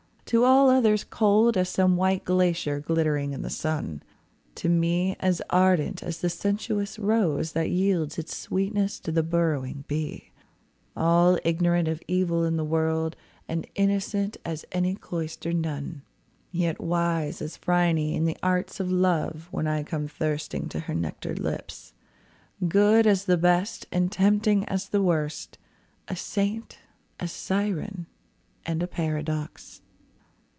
To all others cold As some white glacier glittering in the sun; To me as ardent as the sensuous rose That yields its sweetness to the burrowing bee All ignorant of evil in the world, And innocent as any cloistered nun, Yet wise as Phryne in the arts of love When I come thirsting to her nectared lips. Good as the best, and tempting as the worst, A saint, a siren, and a paradox.